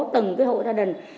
tầng hộ gia đình